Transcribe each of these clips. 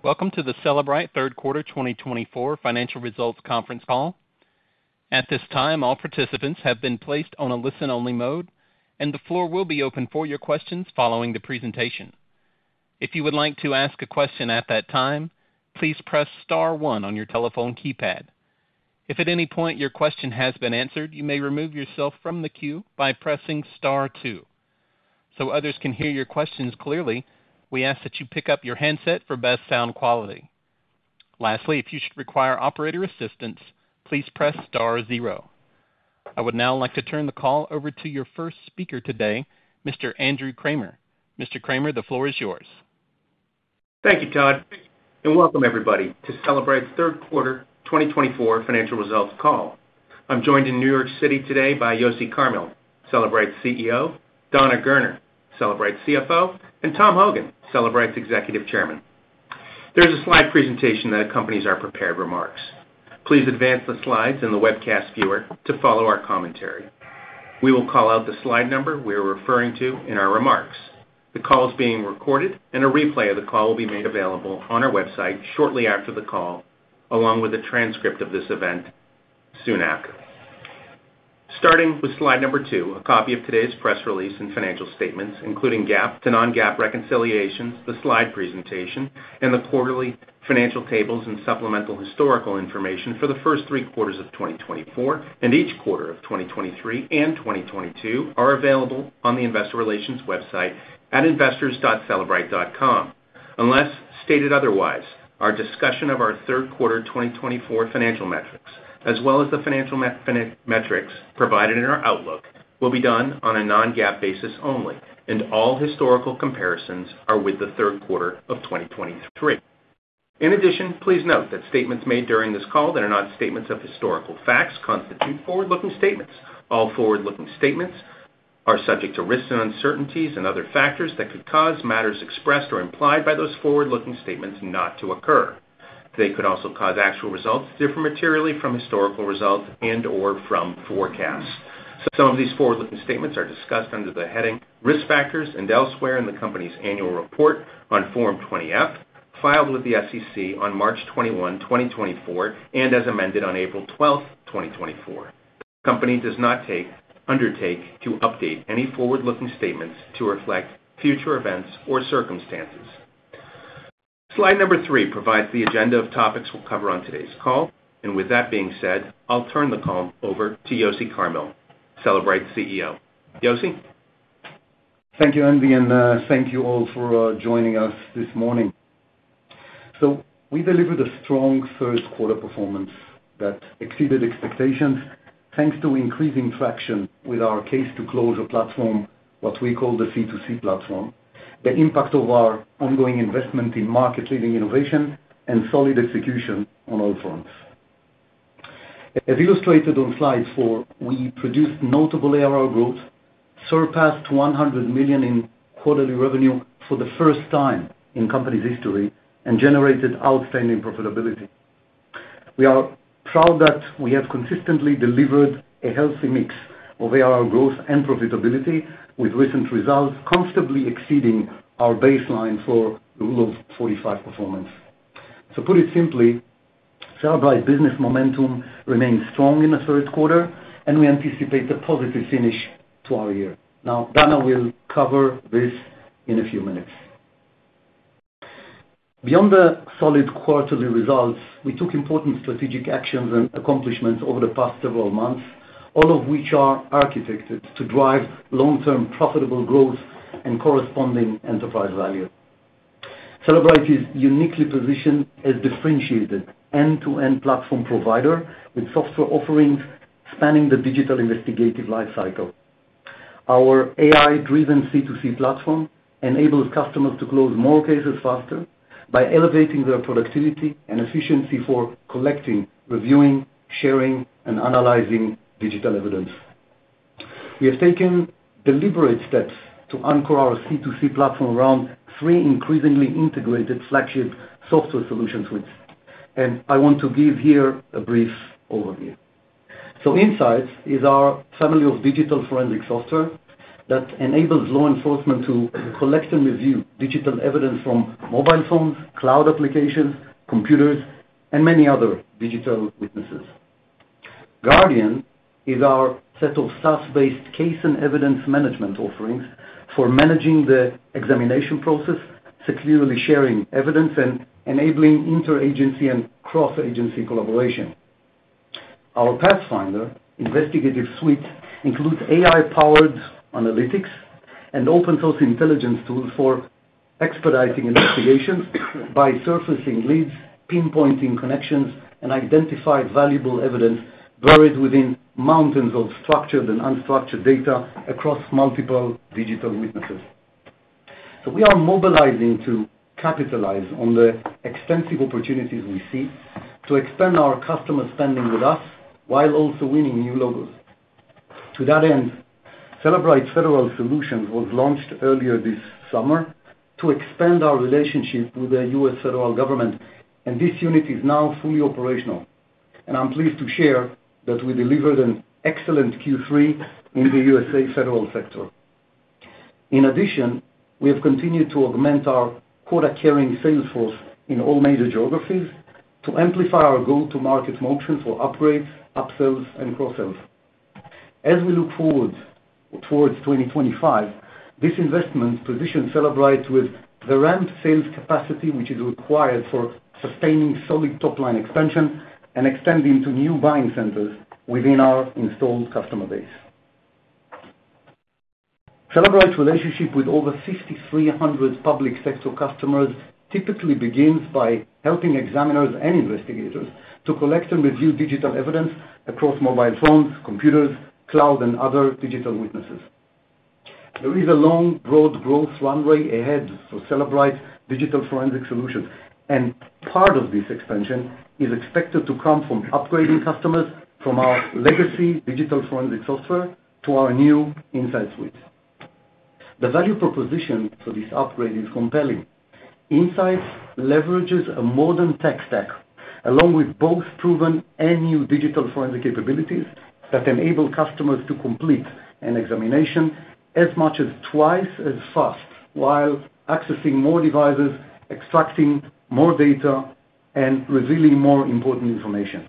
Welcome to the Cellebrite Q3 2024 Financial Results Conference Call. At this time, all participants have been placed on a listen-only mode, and the floor will be open for your questions following the presentation. If you would like to ask a question at that time, please press star one on your telephone keypad. If at any point your question has been answered, you may remove yourself from the queue by pressing star two. So others can hear your questions clearly, we ask that you pick up your handset for best sound quality. Lastly, if you should require operator assistance, please press star zero. I would now like to turn the call over to your first speaker today, Mr. Andrew Cramer. Mr. Cramer, the floor is yours. Thank you, Todd, and welcome everybody to Cellebrite Q3 2024 Financial Results Call. I'm joined in New York City today by Yossi Carmil, Cellebrite CEO; Dana Gerner, Cellebrite CFO; and Tom Hogan, Cellebrite's Executive Chairman. There is a slide presentation that accompanies our prepared remarks. Please advance the slides in the webcast viewer to follow our commentary. We will call out the slide number we are referring to in our remarks. The call is being recorded, and a replay of the call will be made available on our website shortly after the call, along with a transcript of this event soon after. Starting with Slide 2, a copy of today's press release and financial statements, including GAAP to non-GAAP reconciliations, the slide presentation, and the quarterly financial tables and supplemental historical information for the first three quarters of 2024 and each quarter of 2023 and 2022, are available on the Investor Relations website at investors.cellebrite.com. Unless stated otherwise, our discussion of our Q3 2024 financial metrics, as well as the financial metrics provided in our outlook, will be done on a non-GAAP basis only, and all historical comparisons are with the Q3 of 2023. In addition, please note that statements made during this call that are not statements of historical facts constitute forward-looking statements. All forward-looking statements are subject to risks and uncertainties and other factors that could cause matters expressed or implied by those forward-looking statements not to occur. They could also cause actual results to differ materially from historical results and/or from forecasts. Some of these forward-looking statements are discussed under the heading Risk Factors and elsewhere in the Company's Annual Report on Form 20-F, filed with the SEC on March 21, 2024, and as amended on April 12, 2024. The Company does not undertake to update any forward-looking statements to reflect future events or circumstances. Slide 3 provides the agenda of topics we'll cover on today's call, and with that being said, I'll turn the call over to Yossi Carmil, Cellebrite CEO. Yossi? Thank you, Andy, and thank you all for joining us this morning. So we delivered a strong Q1 performance that exceeded expectations thanks to increasing traction with our case-to-closure platform, what we call the C2C platform, the impact of our ongoing investment in market-leading innovation, and solid execution on all fronts. As illustrated on Slide 4, we produced notable ARR growth, surpassed $100 million in quarterly revenue for the first time in the company's history, and generated outstanding profitability. We are proud that we have consistently delivered a healthy mix of ARR growth and profitability, with recent results comfortably exceeding our baseline for the rule of 45 performance. So put it simply, Cellebrite's business momentum remained strong in the Q3, and we anticipate a positive finish to our year. Now, Dana will cover this in a few minutes. Beyond the solid quarterly results, we took important strategic actions and accomplishments over the past several months, all of which are architected to drive long-term profitable growth and corresponding enterprise value. Cellebrite is uniquely positioned as a differentiated end-to-end platform provider with software offerings spanning the digital investigative lifecycle. Our AI-driven C2C platform enables customers to close more cases faster by elevating their productivity and efficiency for collecting, reviewing, sharing, and analyzing digital evidence. We have taken deliberate steps to anchor our C2C platform around three increasingly integrated flagship software solutions, and I want to give here a brief overview. So Insights is our family of digital forensic software that enables law enforcement to collect and review digital evidence from mobile phones, cloud applications, computers, and many other digital witnesses. Guardian is our set of SaaS-based case and evidence management offerings for managing the examination process, securely sharing evidence, and enabling inter-agency and cross-agency collaboration. Our Pathfinder investigative suite includes AI-powered analytics and open-source intelligence tools for expediting investigations by surfacing leads, pinpointing connections, and identifying valuable evidence buried within mountains of structured and unstructured data across multiple digital witnesses. So we are mobilizing to capitalize on the extensive opportunities we see to expand our customer spending with us while also winning new logos. To that end, Cellebrite Federal Solutions was launched earlier this summer to expand our relationship with the U.S. federal government, and this unit is now fully operational. And I'm pleased to share that we delivered an excellent Q3 in the U.S. federal sector. In addition, we have continued to augment our quota-carrying sales force in all major geographies to amplify our go-to-market motion for upgrades, upsells, and cross-sells. As we look forward towards 2025, this investment positions Cellebrite with the ramped sales capacity which is required for sustaining solid top-line expansion and extending to new buying centers within our installed customer base. Cellebrite's relationship with over 5,300 public sector customers typically begins by helping examiners and investigators to collect and review digital evidence across mobile phones, computers, cloud, and other digital witnesses. There is a long, broad growth runway ahead for Cellebrite Digital Forensic Solutions, and part of this expansion is expected to come from upgrading customers from our legacy digital forensic software to our new Insights suite. The value proposition for this upgrade is compelling. Insights leverages a modern tech stack along with both proven and new digital forensic capabilities that enable customers to complete an examination as much as twice as fast while accessing more devices, extracting more data, and revealing more important information.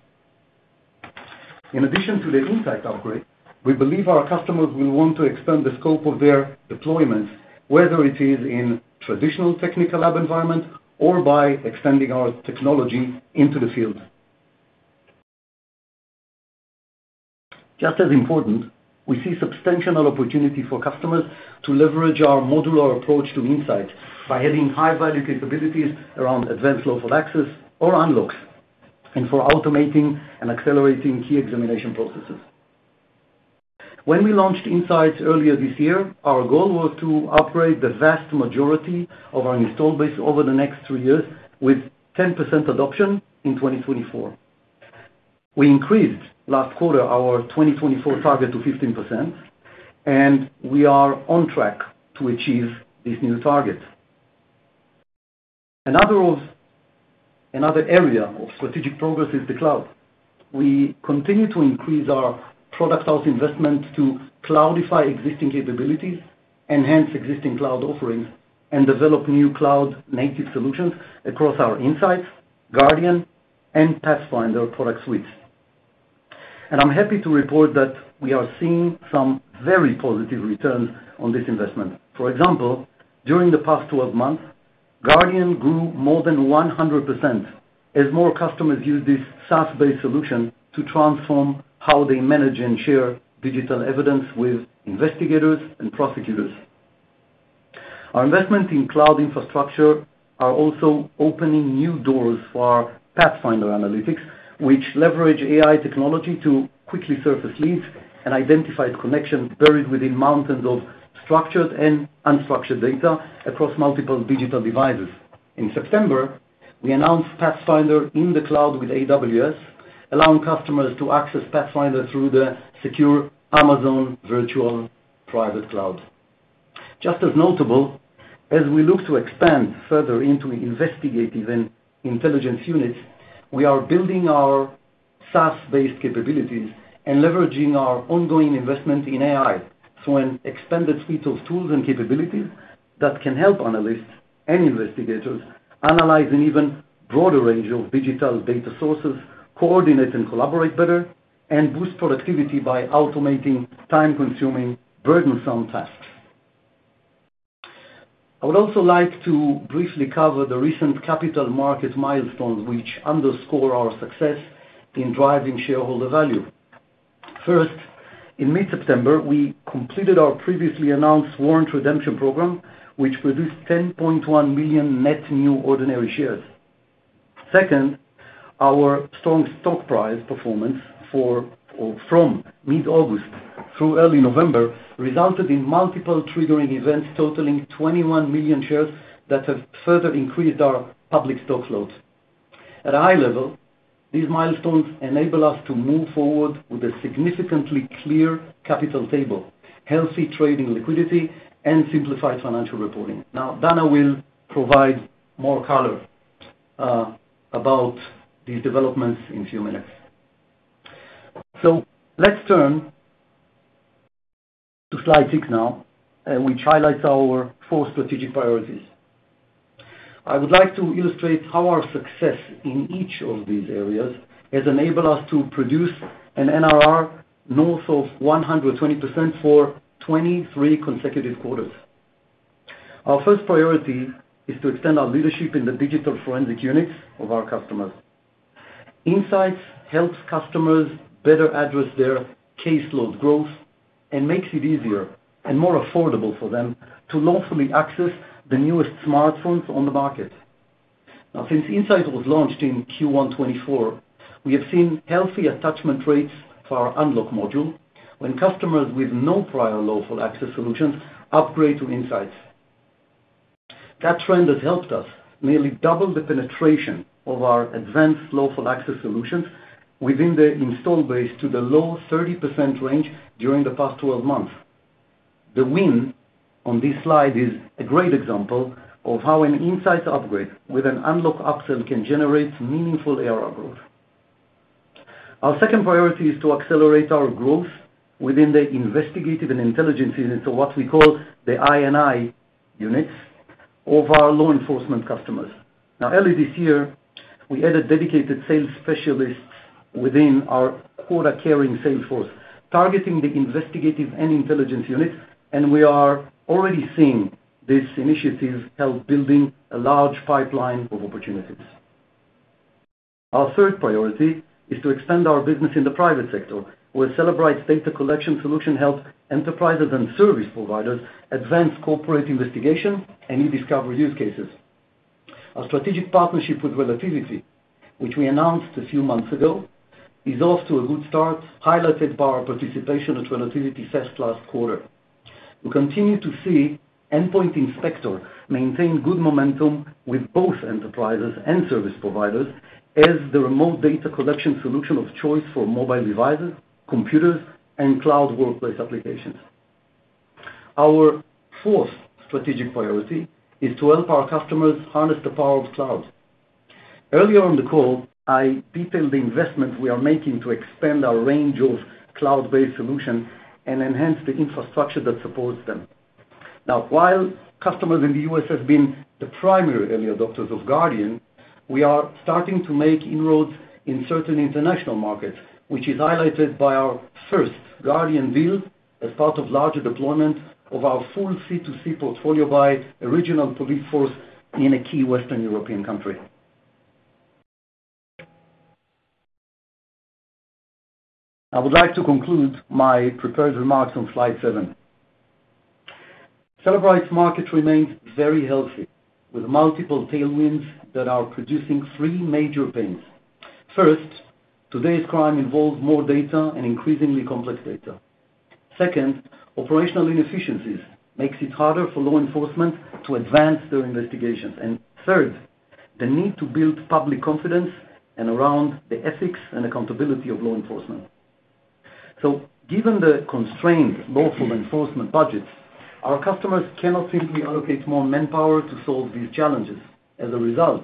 In addition to the Insights upgrade, we believe our customers will want to expand the scope of their deployments, whether it is in a traditional technical lab environment or by extending our technology into the field. Just as important, we see substantial opportunity for customers to leverage our modular approach to Insights by adding high-value capabilities around advanced local access or unlocks and for automating and accelerating key examination processes. When we launched Insights earlier this year, our goal was to operate the vast majority of our installed base over the next three years with 10% adoption in 2024. We increased last quarter our 2024 target to 15%, and we are on track to achieve this new target. Another area of strategic progress is the cloud. We continue to increase our product house investment to cloudify existing capabilities, enhance existing cloud offerings, and develop new cloud-native solutions across our Insights, Guardian, and Pathfinder product suites. And I'm happy to report that we are seeing some very positive returns on this investment. For example, during the past 12 months, Guardian grew more than 100% as more customers use this SaaS-based solution to transform how they manage and share digital evidence with investigators and prosecutors. Our investment in cloud infrastructure is also opening new doors for our Pathfinder analytics, which leverage AI technology to quickly surface leads and identify connections buried within mountains of structured and unstructured data across multiple digital devices. In September, we announced Pathfinder in the cloud with AWS, allowing customers to access Pathfinder through the secure Amazon Virtual Private Cloud. Just as notable, as we look to expand further into investigative and intelligence units, we are building our SaaS-based capabilities and leveraging our ongoing investment in AI through an expanded suite of tools and capabilities that can help analysts and investigators analyze an even broader range of digital data sources, coordinate and collaborate better, and boost productivity by automating time-consuming, burdensome tasks. I would also like to briefly cover the recent capital market milestones which underscore our success in driving shareholder value. First, in mid-September, we completed our previously announced warrant redemption program, which produced 10.1 million net new ordinary shares. Second, our strong stock price performance from mid-August through early November resulted in multiple triggering events totaling 21 million shares that have further increased our public stock float. At a high level, these milestones enable us to move forward with a significantly clear capital table, healthy trading liquidity, and simplified financial reporting. Now, Dana will provide more color about these developments in a few minutes. So let's turn to Slide 6 now, which highlights our four strategic priorities. I would like to illustrate how our success in each of these areas has enabled us to produce an NRR north of 120% for 23 consecutive quarters. Our first priority is to extend our leadership in the digital forensic units of our customers. Insights helps customers better address their caseload growth and makes it easier and more affordable for them to lawfully access the newest smartphones on the market. Now, since Insights was launched in Q1 2024, we have seen healthy attachment rates for our unlock module when customers with no prior lawful access solutions upgrade to Insights. That trend has helped us nearly double the penetration of our advanced lawful access solutions within the installed base to the low 30% range during the past 12 months. The win on this slide is a great example of how an Insights upgrade with an unlock upsell can generate meaningful ARR growth. Our second priority is to accelerate our growth within the investigative and intelligence units, or what we call the I&I units, of our law enforcement customers. Now, early this year, we added dedicated sales specialists within our quota-carrying sales force, targeting the investigative and intelligence units, and we are already seeing this initiative help building a large pipeline of opportunities. Our third priority is to expand our business in the private sector, where Cellebrite's data collection solution helps enterprises and service providers advance corporate investigation and e-discovery use cases. Our strategic partnership with Relativity, which we announced a few months ago, is off to a good start, highlighted by our participation at Relativity Fest last quarter. We continue to see Endpoint Inspector maintain good momentum with both enterprises and service providers as the remote data collection solution of choice for mobile devices, computers, and cloud workplace applications. Our fourth strategic priority is to help our customers harness the power of cloud. Earlier on the call, I detailed the investment we are making to expand our range of cloud-based solutions and enhance the infrastructure that supports them. Now, while customers in the U.S. have been the primary early adopters of Guardian, we are starting to make inroads in certain international markets, which is highlighted by our first Guardian deal as part of a larger deployment of our full C2C portfolio by a regional police force in a key Western European country. I would like to conclude my prepared remarks on Slide 7. Cellebrite's market remains very healthy, with multiple tailwinds that are producing three major pains. First, today's crime involves more data and increasingly complex data. Second, operational inefficiencies make it harder for law enforcement to advance their investigations. And third, the need to build public confidence and trust around the ethics and accountability of law enforcement. So given the constrained law enforcement budgets, our customers cannot simply allocate more manpower to solve these challenges. As a result,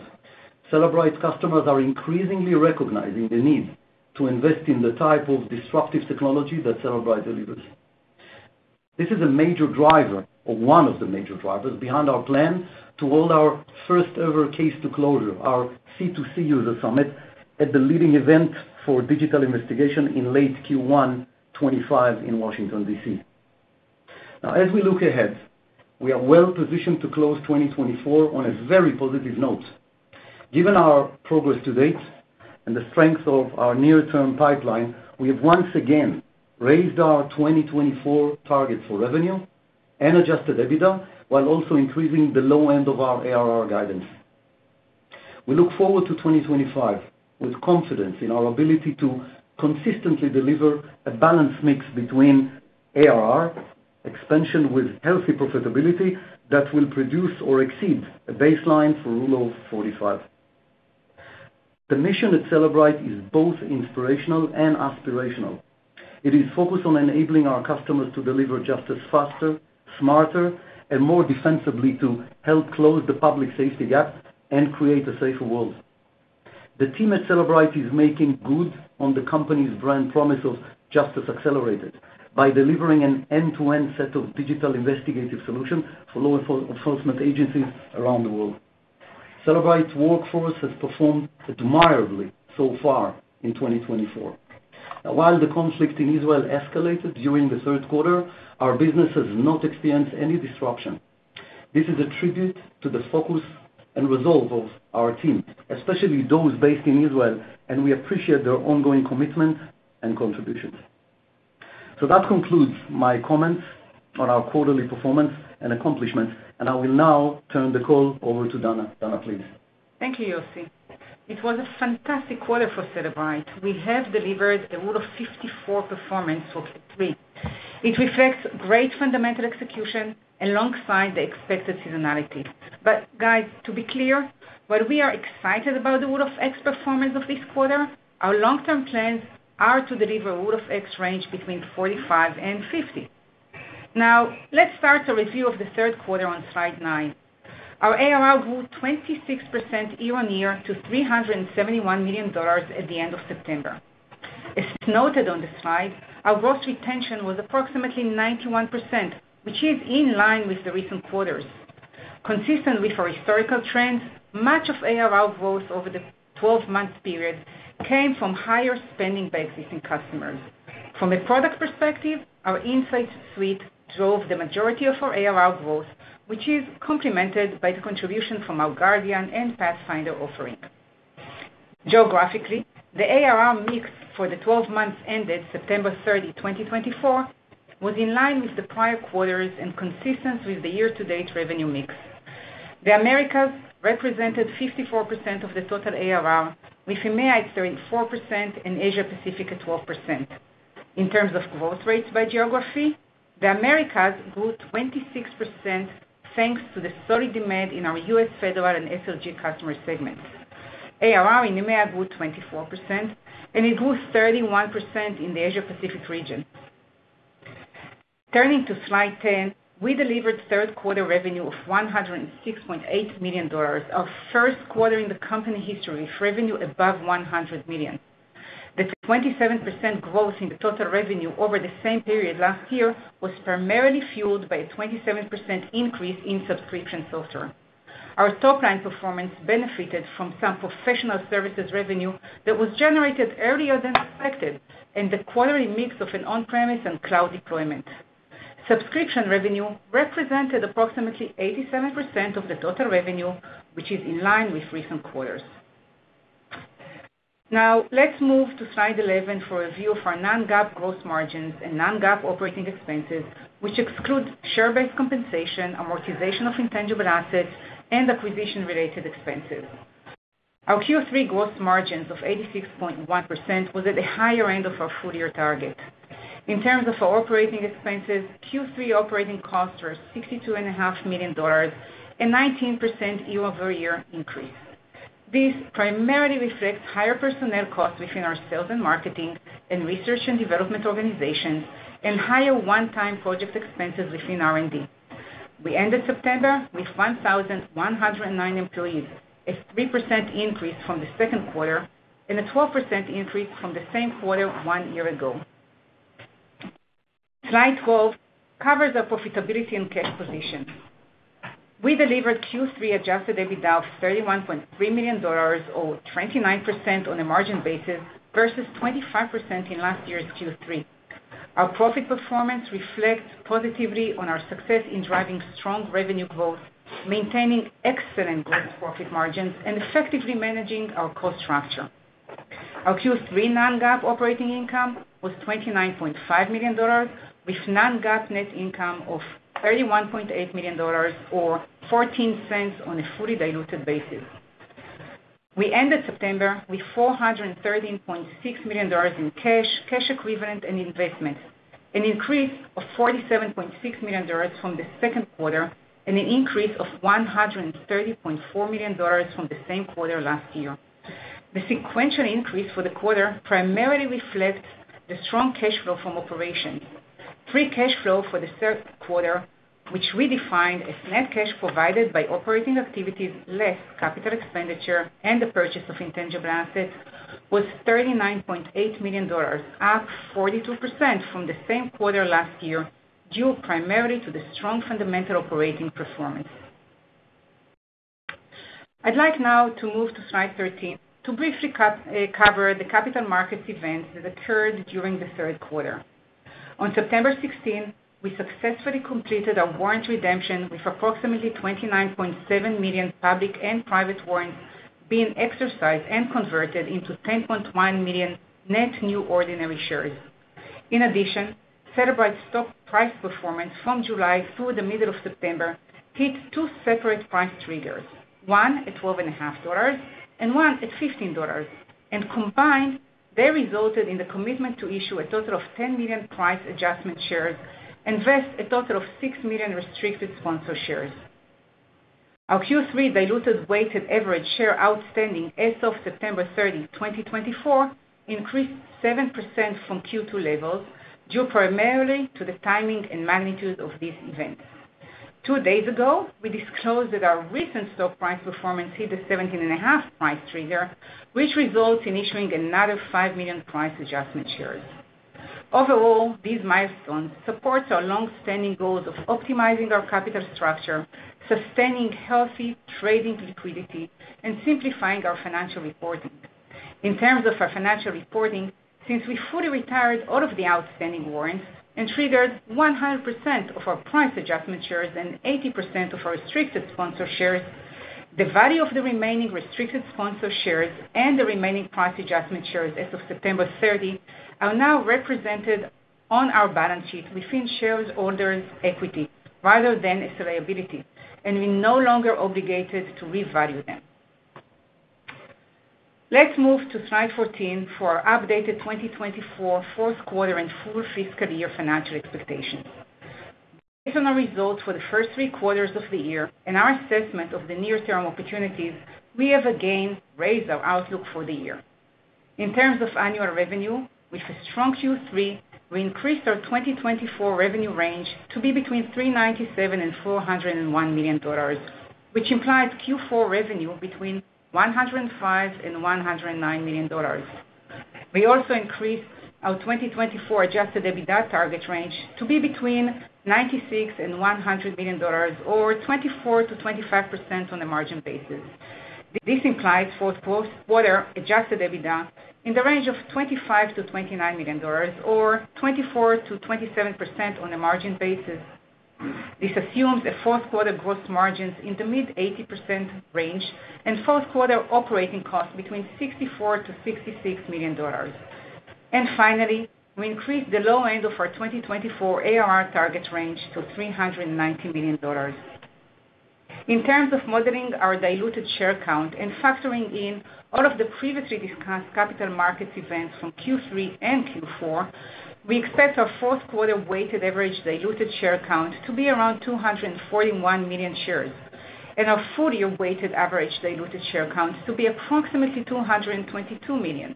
Cellebrite's customers are increasingly recognizing the need to invest in the type of disruptive technology that Cellebrite delivers. This is a major driver, or one of the major drivers, behind our plan to hold our first-ever Case-to-Closure, our C2C User Summit, at the leading event for digital investigation in late Q1 2025 in Washington, D.C. Now, as we look ahead, we are well positioned to close 2024 on a very positive note. Given our progress to date and the strength of our near-term pipeline, we have once again raised our 2024 targets for revenue and Adjusted EBITDA, while also increasing the low end of our ARR guidance. We look forward to 2025 with confidence in our ability to consistently deliver a balanced mix between ARR expansion with healthy profitability that will produce or exceed a baseline for Rule of 45. The mission at Cellebrite is both inspirational and aspirational. It is focused on enabling our customers to deliver justice faster, smarter, and more defensively to help close the public safety gap and create a safer world. The team at Cellebrite is making good on the company's brand promise of justice accelerated by delivering an end-to-end set of digital investigative solutions for law enforcement agencies around the world. Cellebrite's workforce has performed admirably so far in 2024. Now, while the conflict in Israel escalated during the Q3, our business has not experienced any disruption. This is a tribute to the focus and resolve of our team, especially those based in Israel, and we appreciate their ongoing commitment and contributions. So that concludes my comments on our quarterly performance and accomplishments, and I will now turn the call over to Dana. Dana, please. Thank you, Yossi. It was a fantastic quarter for Cellebrite. We have delivered the Rule of 54 performance for Q3. It reflects great fundamental execution alongside the expected seasonality, but guys, to be clear, while we are excited about the Rule of X performance of this quarter, our long-term plans are to deliver a Rule of X range between 45 and 50. Now, let's start the review of the Q3 on Slide 9. Our ARR grew 26% year-on-year to $371 million at the end of September. As noted on the slide, our gross retention was approximately 91%, which is in line with the recent quarters. Consistent with our historical trends, much of ARR growth over the 12-month period came from higher spending by existing customers. From a product perspective, our Insights suite drove the majority of our ARR growth, which is complemented by the contribution from our Guardian and Pathfinder offering. Geographically, the ARR mix for the 12 months ended September 30, 2024, was in line with the prior quarters and consistent with the year-to-date revenue mix. The Americas represented 54% of the total ARR, with EMEA at 34% and Asia-Pacific at 12%. In terms of growth rates by geography, the Americas grew 26% thanks to the solid demand in our U.S. federal and SLG customer segments. ARR in EMEA grew 24%, and it grew 31% in the Asia-Pacific region. Turning to Slide 10, we delivered third-quarter revenue of $106.8 million, our Q1 in the company history of revenue above $100 million. The 27% growth in the total revenue over the same period last year was primarily fueled by a 27% increase in subscription software. Our top-line performance benefited from some professional services revenue that was generated earlier than expected and the quarterly mix of an on-premise and cloud deployment. Subscription revenue represented approximately 87% of the total revenue, which is in line with recent quarters. Now, let's move to Slide 11 for a view of our non-GAAP gross margins and non-GAAP operating expenses, which exclude share-based compensation, amortization of intangible assets, and acquisition-related expenses. Our Q3 gross margins of 86.1% was at the higher end of our full-year target. In terms of our operating expenses, Q3 operating costs were $62.5 million and 19% year-over-year increase. This primarily reflects higher personnel costs within our sales and marketing and research and development organizations and higher one-time project expenses within R&D. We ended September with 1,109 employees, a 3% increase from the Q2 and a 12% increase from the same quarter one year ago. Slide 12 covers our profitability and cash position. We delivered Q3 Adjusted EBITDA of $31.3 million, or 29% on a margin basis, versus 25% in last year's Q3. Our profit performance reflects positively on our success in driving strong revenue growth, maintaining excellent gross profit margins, and effectively managing our cost structure. Our Q3 non-GAAP operating income was $29.5 million, with non-GAAP net income of $31.8 million, or $0.14 on a fully diluted basis. We ended September with $413.6 million in cash, cash equivalent, and investment, an increase of $47.6 million from the Q2 and an increase of $130.4 million from the same quarter last year. The sequential increase for the quarter primarily reflects the strong cash flow from operations. Free cash flow for the Q3, which we defined as net cash provided by operating activities less capital expenditure and the purchase of intangible assets, was $39.8 million, up 42% from the same quarter last year, due primarily to the strong fundamental operating performance. I'd like now to move to Slide 13 to briefly cover the capital markets events that occurred during the Q3. On September 16, we successfully completed our warrant redemption with approximately 29.7 million public and private warrants being exercised and converted into 10.1 million net new ordinary shares. In addition, Cellebrite's stock price performance from July through the middle of September hit two separate price triggers, one at $12.5 and one at $15, and combined, they resulted in the commitment to issue a total of 10 million price adjustment shares and vest a total of 6 million restricted sponsor shares. Our Q3 diluted weighted average shares outstanding as of September 30, 2024, increased 7% from Q2 levels, due primarily to the timing and magnitude of these events. Two days ago, we disclosed that our recent stock price performance hit the 17.5 price trigger, which resulted in issuing another 5 million price adjustment shares. Overall, these milestones support our long-standing goals of optimizing our capital structure, sustaining healthy trading liquidity, and simplifying our financial reporting. In terms of our financial reporting, since we fully retired all of the outstanding warrants and triggered 100% of our price adjustment shares and 80% of our restricted sponsor shares, the value of the remaining restricted sponsor shares and the remaining price adjustment shares as of September 30 are now represented on our balance sheet within shareholders' equity, rather than as liabilities, and we're no longer obligated to revalue them. Let's move to Slide 14 for our updated 2024 Q4 and full FY financial expectations. Based on our results for the first three quarters of the year and our assessment of the near-term opportunities, we have again raised our outlook for the year. In terms of annual revenue, with a strong Q3, we increased our 2024 revenue range to be between $397 and $401 million, which implies Q4 revenue between $105 and $109 million. We also increased our 2024 Adjusted EBITDA target range to be between $96 and $100 million, or 24% to 25% on a margin basis. This implies Q4 Adjusted EBITDA in the range of $25 to $29 million, or 24% to 27% on a margin basis. This assumes a Q4 gross margins in the mid-80% range and Q4 operating costs between $64 to $66 million. Finally, we increased the low end of our 2024 ARR target range to $390 million. In terms of modeling our diluted share count and factoring in all of the previously discussed capital markets events from Q3 and Q4, we expect our Q4 weighted average diluted share count to be around 241 million shares and our full-year weighted average diluted share count to be approximately 222 million.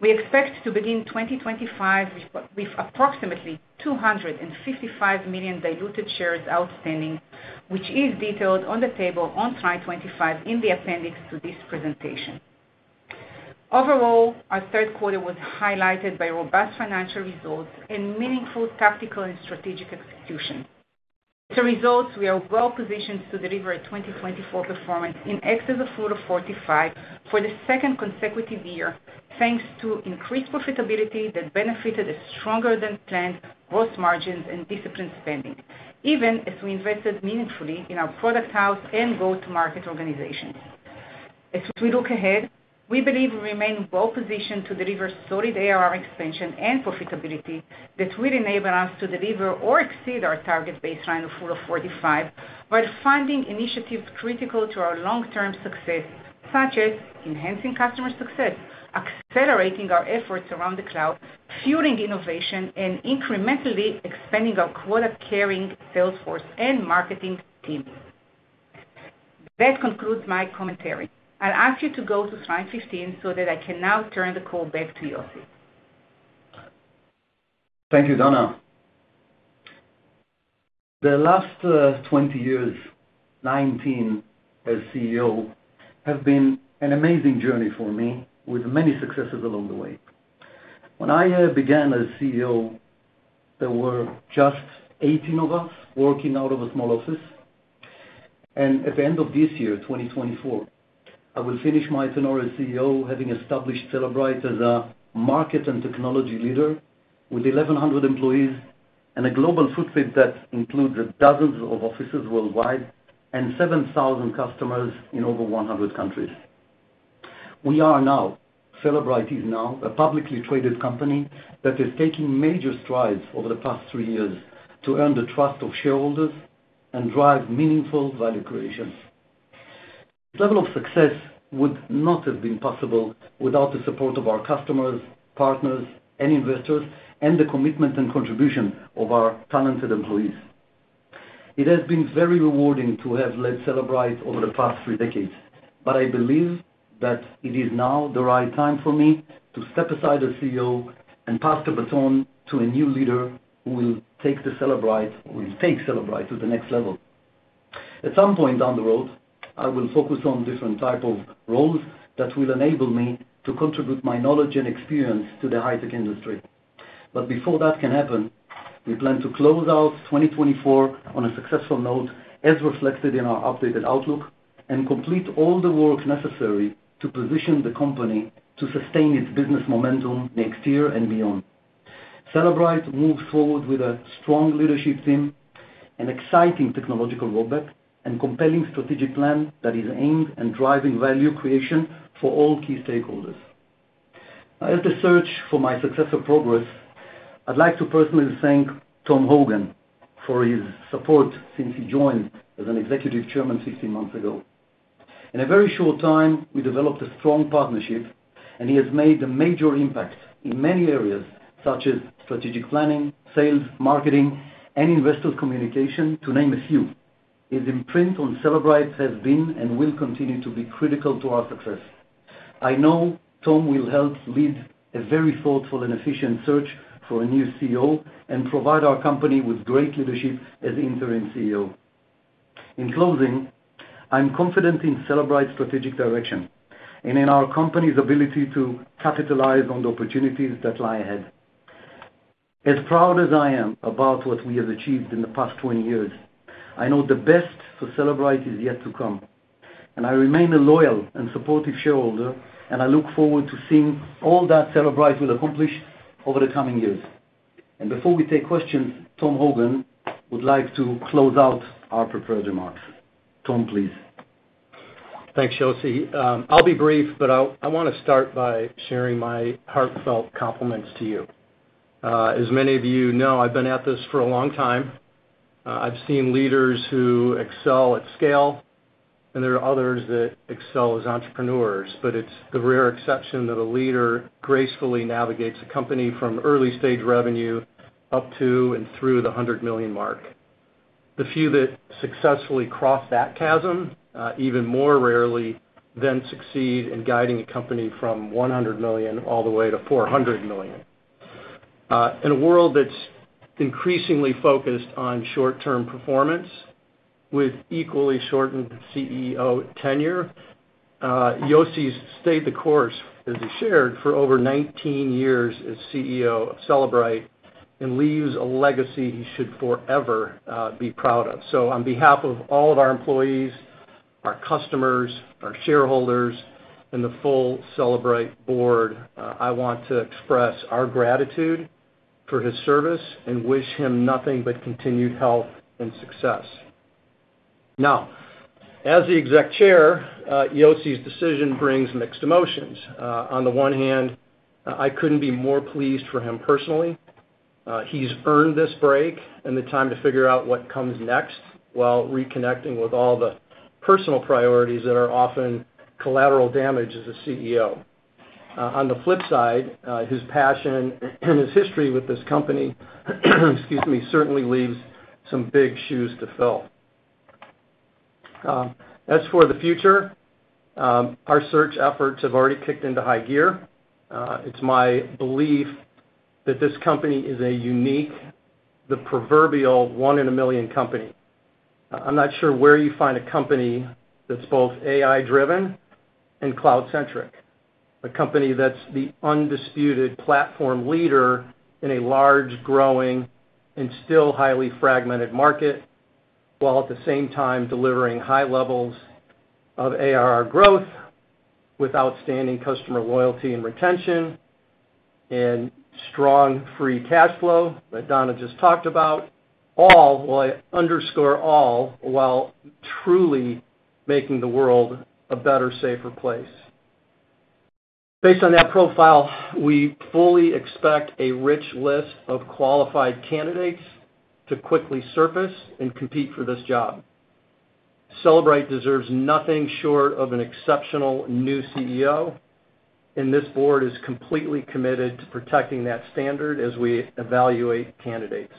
We expect to begin 2025 with approximately 255 million diluted shares outstanding, which is detailed on the table on Slide 25 in the appendix to this presentation. Overall, our Q3 was highlighted by robust financial results and meaningful tactical and strategic execution. As a result, we are well positioned to deliver a 2024 performance in excess of 45 for the second consecutive year, thanks to increased profitability that benefited stronger-than-planned gross margins and disciplined spending, even as we invested meaningfully in our product house and go-to-market organizations. As we look ahead, we believe we remain well positioned to deliver solid ARR expansion and profitability that will enable us to deliver or exceed our target baseline of 45 while funding initiatives critical to our long-term success, such as enhancing customer success, accelerating our efforts around the cloud, fueling innovation, and incrementally expanding our quota-carrying salesforce and marketing team. That concludes my commentary. I'll ask you to go to Slide 15 so that I can now turn the call back to Yossi. Thank you, Dana. The last 20 years, 19 as CEO, have been an amazing journey for me with many successes along the way. When I began as CEO, there were just 18 of us working out of a small office. And at the end of this year, 2024, I will finish my tenure as CEO, having established Cellebrite as a market and technology leader with 1,100 employees and a global footprint that includes dozens of offices worldwide and 7,000 customers in over 100 countries. We are now, Cellebrite is now, a publicly traded company that is taking major strides over the past three years to earn the trust of shareholders and drive meaningful value creation. This level of success would not have been possible without the support of our customers, partners, and investors, and the commitment and contribution of our talented employees. It has been very rewarding to have led Cellebrite over the past three decades, but I believe that it is now the right time for me to step aside as CEO and pass the baton to a new leader who will take Cellebrite to the next level. At some point down the road, I will focus on different types of roles that will enable me to contribute my knowledge and experience to the high-tech industry. But before that can happen, we plan to close out 2024 on a successful note, as reflected in our updated outlook, and complete all the work necessary to position the company to sustain its business momentum next year and beyond. Cellebrite moves forward with a strong leadership team, an exciting technological roadmap, and a compelling strategic plan that is aimed at driving value creation for all key stakeholders. As the search for my successor progresses, I'd like to personally thank Tom Hogan for his support since he joined as an Executive Chairman 15 months ago. In a very short time, we developed a strong partnership, and he has made a major impact in many areas such as strategic planning, sales, marketing, and investor communication, to name a few. His imprint on Cellebrite has been and will continue to be critical to our success. I know Tom will help lead a very thoughtful and efficient search for a new CEO and provide our company with great leadership as interim CEO. In closing, I'm confident in Cellebrite's strategic direction and in our company's ability to capitalize on the opportunities that lie ahead. As proud as I am about what we have achieved in the past 20 years, I know the best for Cellebrite is yet to come. And I remain a loyal and supportive shareholder, and I look forward to seeing all that Cellebrite will accomplish over the coming years. And before we take questions, Tom Hogan would like to close out our prepared remarks. Tom, please. Thanks, Yossi. I'll be brief, but I want to start by sharing my heartfelt compliments to you. As many of you know, I've been at this for a long time. I've seen leaders who excel at scale, and there are others that excel as entrepreneurs, but it's the rare exception that a leader gracefully navigates a company from early-stage revenue up to and through the $100 million mark. The few that successfully cross that chasm, even more rarely, then succeed in guiding a company from $100 million all the way to $400 million. In a world that's increasingly focused on short-term performance with equally shortened CEO tenure, Yossi's stayed the course, as he shared, for over 19 years as CEO of Cellebrite and leaves a legacy he should forever be proud of. So on behalf of all of our employees, our customers, our shareholders, and the full Cellebrite board, I want to express our gratitude for his service and wish him nothing but continued health and success. Now, as the exec chair, Yossi's decision brings mixed emotions. On the one hand, I couldn't be more pleased for him personally. He's earned this break and the time to figure out what comes next while reconnecting with all the personal priorities that are often collateral damage as a CEO. On the flip side, his passion and his history with this company, excuse me, certainly leaves some big shoes to fill. As for the future, our search efforts have already kicked into high gear. It's my belief that this company is a unique, the proverbial one-in-a-million company. I'm not sure where you find a company that's both AI-driven and cloud-centric, a company that's the undisputed platform leader in a large-growing and still highly fragmented market, while at the same time delivering high levels of ARR growth with outstanding customer loyalty and retention and strong free cash flow that Dana just talked about, all while truly making the world a better, safer place. Based on that profile, we fully expect a rich list of qualified candidates to quickly surface and compete for this job. Cellebrite deserves nothing short of an exceptional new CEO, and this board is completely committed to protecting that standard as we evaluate candidates.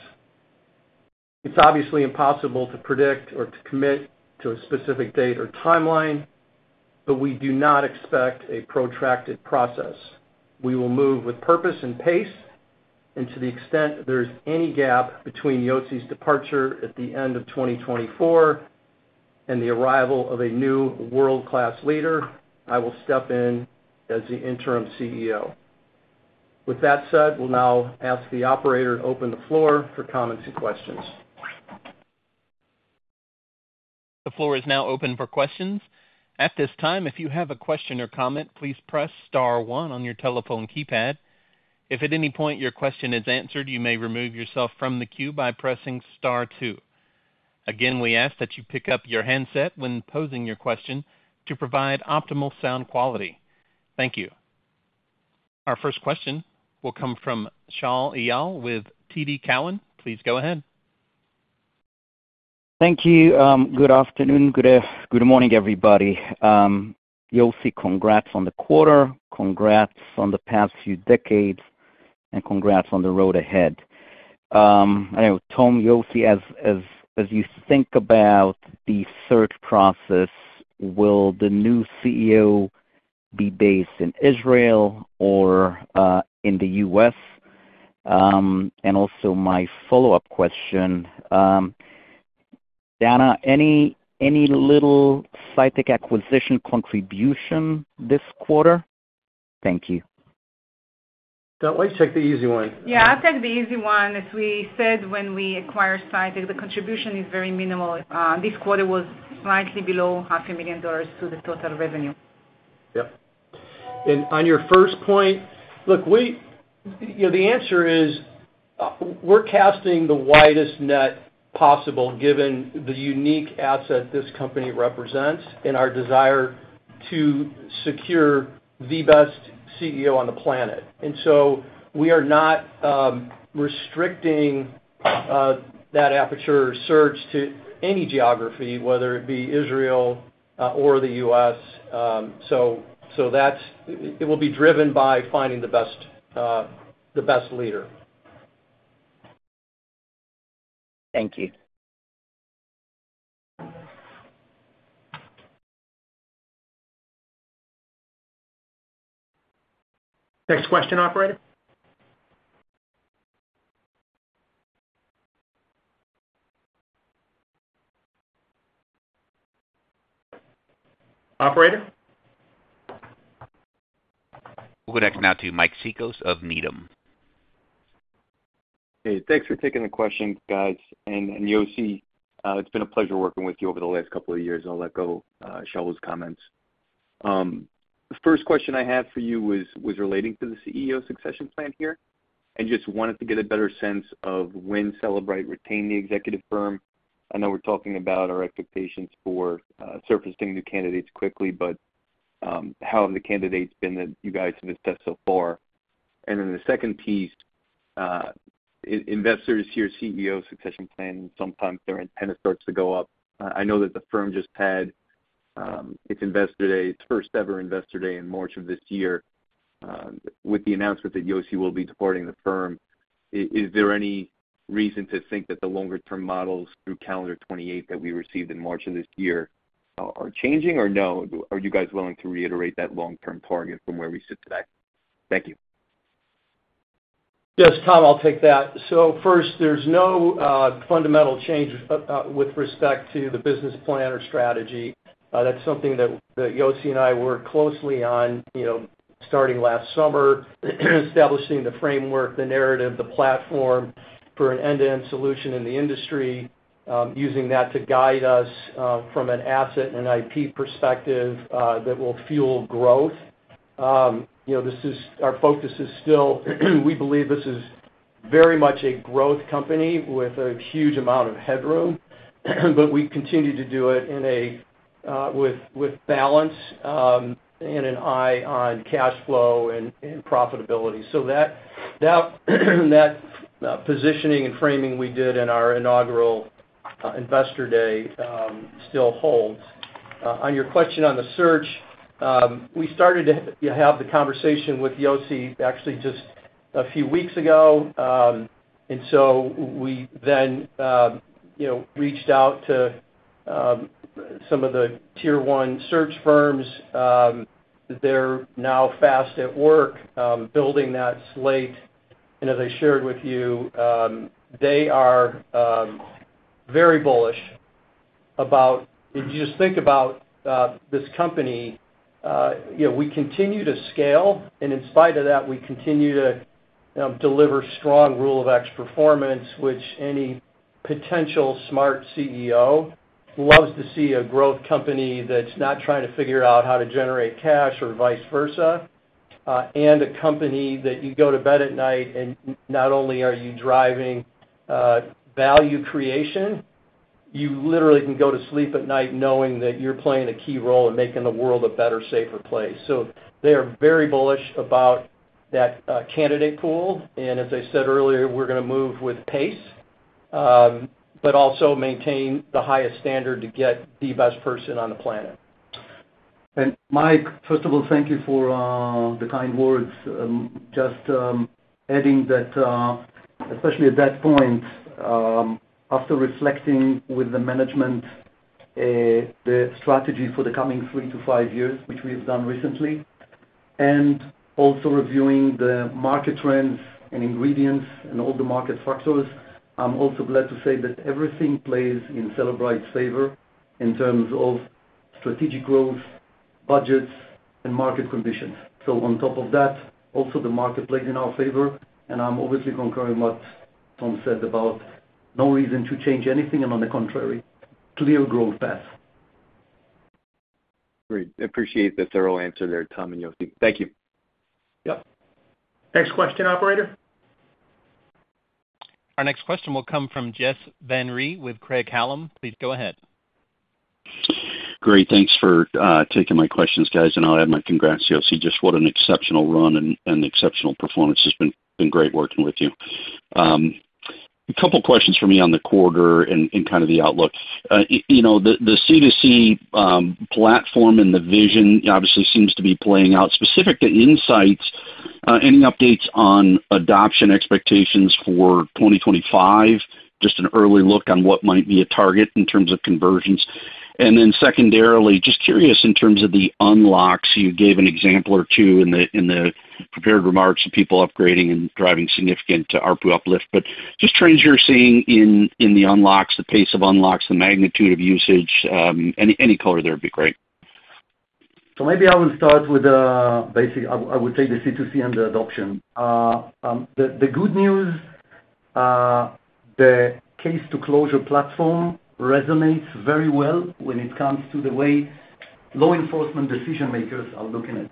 It's obviously impossible to predict or to commit to a specific date or timeline, but we do not expect a protracted process. We will move with purpose and pace, and to the extent there's any gap between Yossi's departure at the end of 2024 and the arrival of a new world-class leader, I will step in as the interim CEO. With that said, we'll now ask the operator to open the floor for comments and questions. The floor is now open for questions. At this time, if you have a question or comment, please press star one on your telephone keypad. If at any point your question is answered, you may remove yourself from the queue by pressing star two. Again, we ask that you pick up your handset when posing your question to provide optimal sound quality. Thank you. Our first question will come from Shaul Eyal with TD Cowen. Please go ahead. Thank you. Good afternoon. Good morning, everybody. Yossi, congrats on the quarter, congrats on the past few decades, and congrats on the road ahead. Tom, Yossi, as you think about the search process, will the new CEO be based in Israel or in the U.S.? And also my follow-up question, Dana, any little Cytech acquisition contribution this quarter? Thank you. Don't let you take the easy one. I'll take the easy one. As we said when we acquired Cytech, the contribution is very minimal. This quarter was slightly below $500,000 to the total revenue. Yep. And on your first point, look, the answer is we're casting the widest net possible given the unique asset this company represents and our desire to secure the best CEO on the planet. And so we are not restricting that aperture search to any geography, whether it be Israel or the U.S. So it will be driven by finding the best leader. Thank you. Next question, operator? Operator? We'll go next now to Mike Cikos of Needham. Hey, thanks for taking the question, guys. And Yossi, it's been a pleasure working with you over the last couple of years. I'll let go of Shaul's comments. The first question I have for you was relating to the CEO succession plan here and just wanted to get a better sense of when Cellebrite retained the executive firm. I know we're talking about our expectations for surfacing new candidates quickly, but how have the candidates been that you guys have assessed so far? And then the second piece, investors hear CEO succession plan, and sometimes their antenna starts to go up. I know that the firm just had its first-ever investor day in March of this year with the announcement that Yossi will be departing the firm. Is there any reason to think that the longer-term models through calendar 2028 that we received in March of this year are changing, or no? Are you guys willing to reiterate that long-term target from where we sit today? Thank you. Yes, Tom, I'll take that. So first, there's no fundamental change with respect to the business plan or strategy. That's something that Yossi and I worked closely on starting last summer, establishing the framework, the narrative, the platform for an end-to-end solution in the industry, using that to guide us from an asset and an IP perspective that will fuel growth. Our focus is still, we believe this is very much a growth company with a huge amount of headroom, but we continue to do it with balance and an eye on cash flow and profitability. So that positioning and framing we did in our inaugural investor day still holds. On your question on the search, we started to have the conversation with Yossi actually just a few weeks ago. And so we then reached out to some of the Tier 1 search firms. They're now fast at work building that slate. And as I shared with you, they are very bullish about if you just think about this company, we continue to scale. And in spite of that, we continue to deliver strong Rule of X performance, which any potential smart CEO loves to see: a growth company that's not trying to figure out how to generate cash or vice versa, and a company that you go to bed at night and not only are you driving value creation, you literally can go to sleep at night knowing that you're playing a key role in making the world a better, safer place. So they are very bullish about that candidate pool. And as I said earlier, we're going to move with pace, but also maintain the highest standard to get the best person on the planet. And Mike, first of all, thank you for the kind words. Just adding that, especially at that point, after reflecting with the management the strategy for the coming three to five years, which we have done recently, and also reviewing the market trends and ingredients and all the market factors, I'm also glad to say that everything plays in Cellebrite's favor in terms of strategic growth, budgets, and market conditions. So on top of that, also the market plays in our favor. And I'm obviously concurring with what Tom said about no reason to change anything and, on the contrary, clear growth path. Great. Appreciate the thorough answer there, Tom and Yossi. Thank you. Yep. Next question, operator? Our next question will come from Jeff Van Rhee with Craig-Hallum. Please go ahead. Great. Thanks for taking my questions, guys. And I'll add my congrats, Yossi. Just what an exceptional run and exceptional performance. It's been great working with you. A couple of questions for me on the quarter and kind of the outlook. The C2C platform and the vision obviously seems to be playing out. Specific to insights, any updates on adoption expectations for 2025? Just an early look on what might be a target in terms of conversions, and then secondarily, just curious in terms of the unlocks. You gave an example or two in the prepared remarks of people upgrading and driving significant to ARPU uplift, but just trends you're seeing in the unlocks, the pace of unlocks, the magnitude of usage, any color there would be great. So maybe I will start with basic, I would say the C2C and the adoption. The good news, the case-to-closure platform resonates very well when it comes to the way law enforcement decision-makers are looking at it.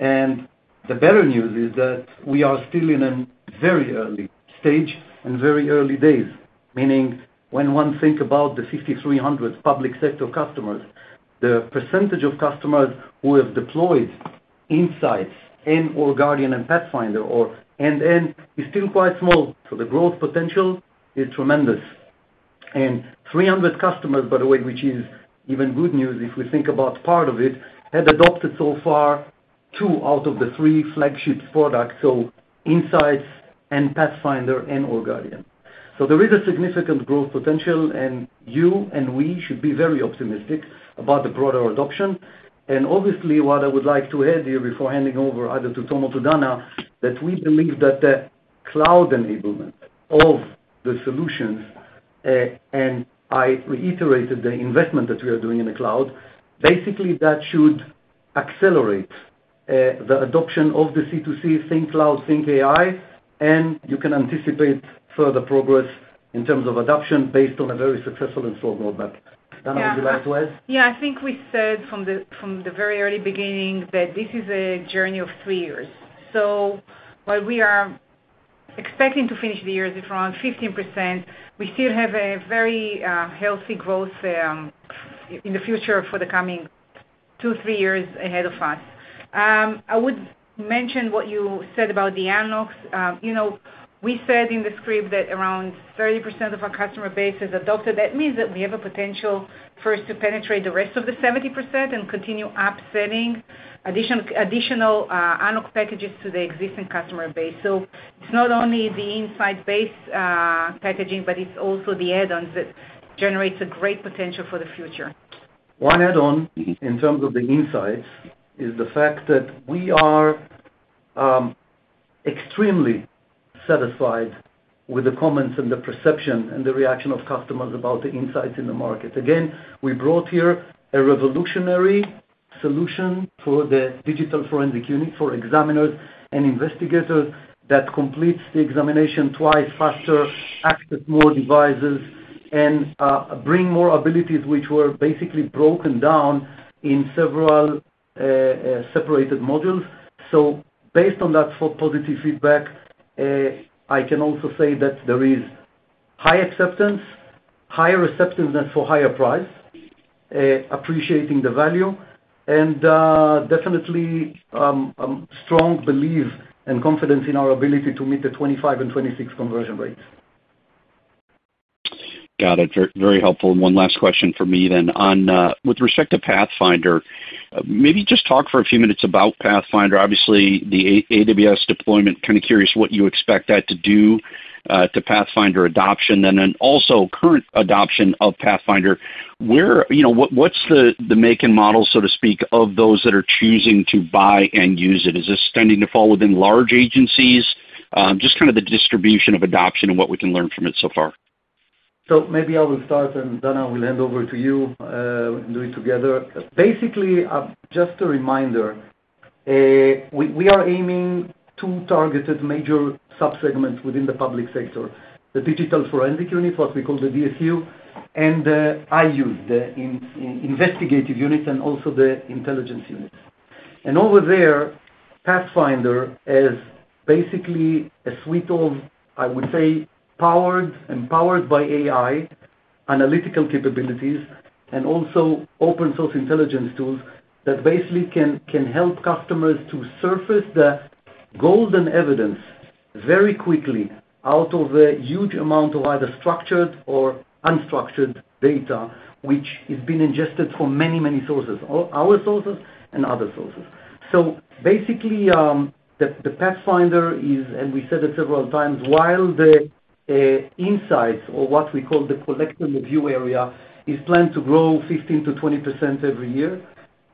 And the better news is that we are still in a very early stage and very early days, meaning when one thinks about the 5,300 public sector customers, the percentage of customers who have deployed Insights in Guardian and Pathfinder or end-to-end is still quite small. So the growth potential is tremendous. And 300 customers, by the way, which is even good news if we think about part of it, had adopted so far two out of the three flagship products, so Insights and Pathfinder and/or Guardian. So there is a significant growth potential, and you and we should be very optimistic about the broader adoption. And obviously, what I would like to add here before handing over either to Tom or to Dana, that we believe that the cloud enablement of the solutions, and I reiterated the investment that we are doing in the cloud. Basically that should accelerate the adoption of the C2C. Think cloud, think AI, and you can anticipate further progress in terms of adoption based on a very successful and strong roadmap. Dana, would you like to add? I think we said from the very early beginning that this is a journey of three years. So while we are expecting to finish the year at around 15%, we still have a very healthy growth in the future for the coming two, three years ahead of us. I would mention what you said about the analogs. We said in the script that around 30% of our customer base has adopted. That means that we have a potential first to penetrate the rest of the 70% and continue upselling additional add-on packages to the existing customer base. So it's not only the Insights-based packaging, but it's also the add-ons that generate a great potential for the future. One add-on in terms of the Insights is the fact that we are extremely satisfied with the comments and the perception and the reaction of customers about the Insights in the market. Again, we brought here a revolutionary solution for the digital forensic unit for examiners and investigators that completes the examination twice faster, accesses more devices, and brings more abilities which were basically broken down into several separate modules. So, based on that for positive feedback, I can also say that there is high acceptance, higher acceptance for higher price, appreciating the value, and definitely a strong belief and confidence in our ability to meet the 2025 and 2026 conversion rates. Got it. Very helpful. One last question for me then. With respect to Pathfinder, maybe just talk for a few minutes about Pathfinder. Obviously, the AWS deployment, kind of curious what you expect that to do to Pathfinder adoption and then also current adoption of Pathfinder. What's the make and model, so to speak, of those that are choosing to buy and use it? Is this tending to fall within large agencies? Just kind of the distribution of adoption and what we can learn from it so far. So maybe I will start, and Dana, we'll hand over to you. We can do it together. Basically, just a reminder, we are aiming two targeted major subsegments within the public sector: the digital forensic unit, what we call the DSU, and IU, the investigative unit, and also the intelligence unit, and over there, Pathfinder is basically a suite of, I would say, powered by AI analytical capabilities and also open-source intelligence tools that basically can help customers to surface the golden evidence very quickly out of a huge amount of either structured or unstructured data which has been ingested from many, many sources, our sources and other sources. So basically, the Pathfinder is, and we said it several times, while the Insights or what we call the collective review area is planned to grow 15%-20% every year,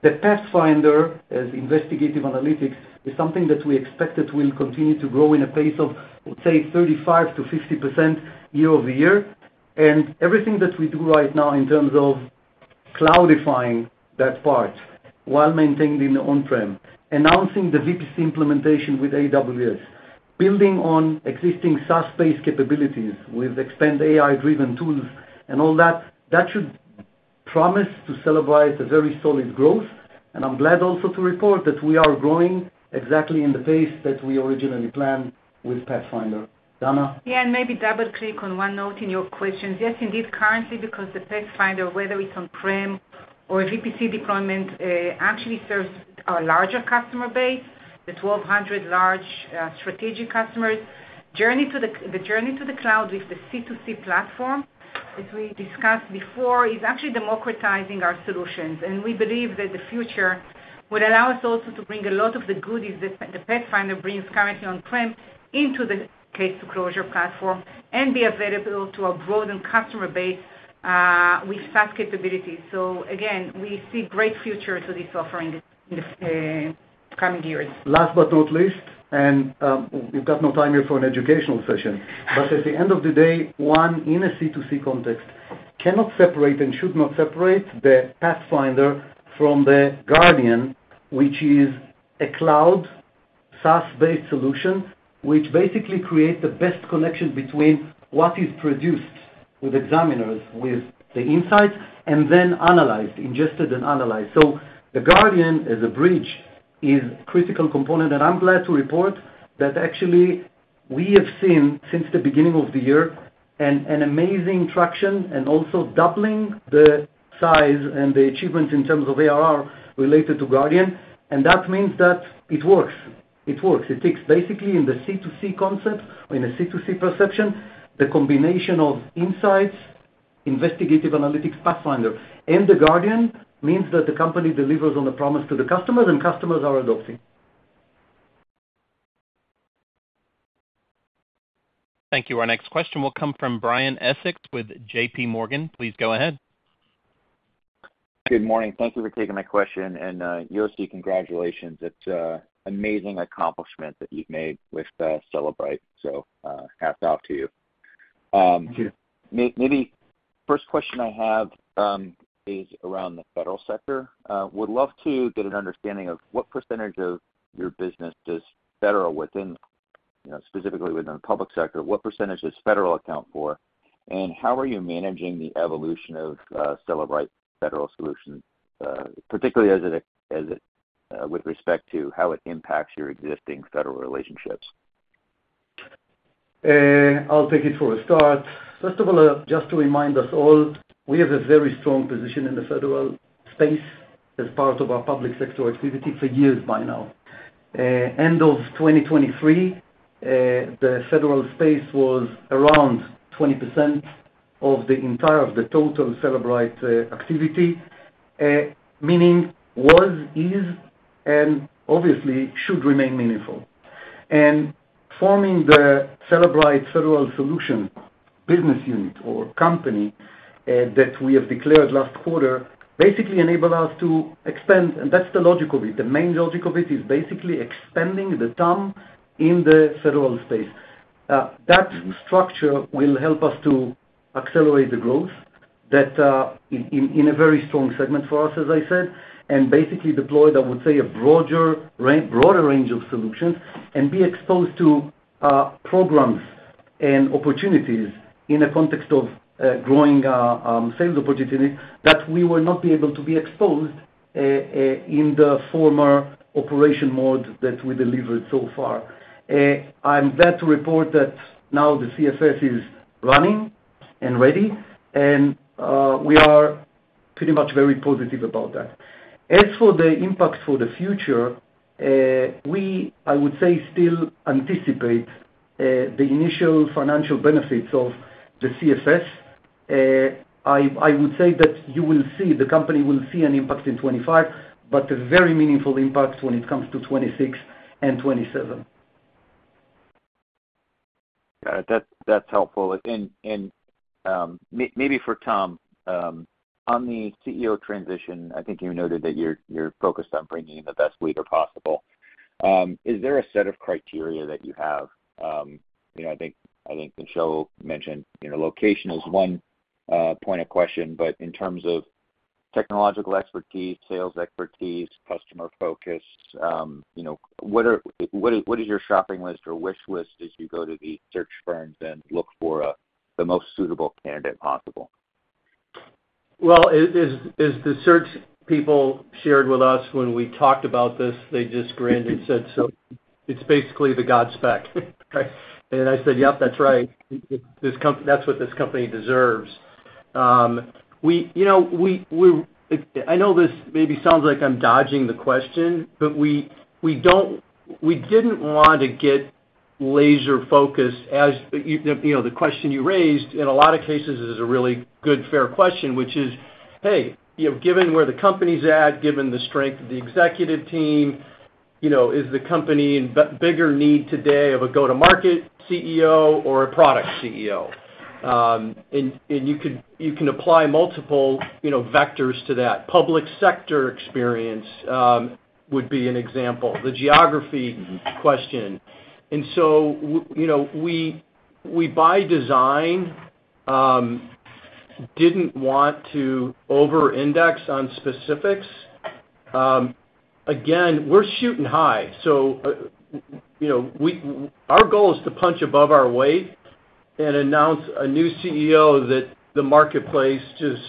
the Pathfinder as investigative analytics is something that we expect it will continue to grow in a pace of, let's say, 35%-50% year over year. And everything that we do right now in terms of cloudifying that part while maintaining the on-prem, announcing the VPC implementation with AWS, building on existing SaaS-based capabilities with expanded AI-driven tools and all that, that should promise to celebrate a very solid growth. And I'm glad also to report that we are growing exactly in the pace that we originally planned with Pathfinder. Dana? And maybe double-click on one note in your questions. Yes, indeed. Currently, because the Pathfinder, whether it's on-prem or VPC deployment, actually serves a larger customer base, the 1,200 large strategic customers. The journey to the cloud with the C2C platform, as we discussed before, is actually democratizing our solutions, and we believe that the future would allow us also to bring a lot of the goodies that the Pathfinder brings currently on-prem into the Case-to-Closure platform and be available to a broadened customer base with SaaS capabilities, so again, we see great future to this offering in the coming years. Last but not least, and we've got no time here for an educational session, but at the end of the day, one in a C2C context cannot separate and should not separate the Pathfinder from the Guardian, which is a cloud SaaS-based solution which basically creates the best connection between what is produced with examiners, with the Insights, and then analyzed, ingested, and analyzed. So the Guardian as a bridge is a critical component. And I'm glad to report that actually we have seen since the beginning of the year an amazing traction and also doubling the size and the achievements in terms of ARR related to Guardian. And that means that it works. It works. It takes basically in the C2C concept, in a C2C perception, the combination of Insights, investigative analytics, Pathfinder, and the Guardian means that the company delivers on the promise to the customers, and customers are adopting. Thank you. Our next question will come from Brian Essex with J.P. Morgan. Please go ahead. Good morning. Thank you for taking my question. And Yossi, congratulations. It's an amazing accomplishment that you've made with Cellebrite. So hats off to you. Thank you. Maybe the first question I have is around the federal sector. Would love to get an understanding of what percentage of your business does federal within, specifically within the public sector, what percentage does federal account for, and how are you managing the evolution of Cellebrite's federal solutions, particularly with respect to how it impacts your existing federal relationships? I'll take it for a start. First of all, just to remind us all, we have a very strong position in the federal space as part of our public sector activity for years by now. End of 2023, the federal space was around 20% of the entire total Cellebrite activity, meaning was, is, and obviously should remain meaningful, and forming the Cellebrite Federal Solutions business unit or company that we have declared last quarter basically enabled us to expand, and that's the logic of it. The main logic of it is basically expanding the TAM in the federal space. That structure will help us to accelerate the growth in a very strong segment for us, as I said, and basically deploy, I would say, a broader range of solutions and be exposed to programs and opportunities in a context of growing sales opportunities that we will not be able to be exposed in the former operation mode that we delivered so far. I'm glad to report that now the CFS is running and ready, and we are pretty much very positive about that. As for the impact for the future, I would say still anticipate the initial financial benefits of the CFS. I would say that you will see the company will see an impact in 2025, but a very meaningful impact when it comes to 2026 and 2027. Got it. That's helpful. And maybe for Tom, on the CEO transition, I think you noted that you're focused on bringing in the best leader possible. Is there a set of criteria that you have? I think Michelle mentioned location is one point of question, but in terms of technological expertise, sales expertise, customer focus, what is your shopping list or wish list as you go to the search firms and look for the most suitable candidate possible? Well, as the search people shared with us when we talked about this, they just grinned and said, "So it's basically the God spec." And I said, "Yep, that's right. That's what this company deserves." I know this maybe sounds like I'm dodging the question, but we didn't want to get laser-focused as the question you raised, in a lot of cases, is a really good, fair question, which is, "Hey, given where the company's at, given the strength of the executive team, is the company in bigger need today of a go-to-market CEO or a product CEO?" And you can apply multiple vectors to that. Public sector experience would be an example, the geography question. And so we, by design, didn't want to over-index on specifics. Again, we're shooting high. So our goal is to punch above our weight and announce a new CEO that the marketplace just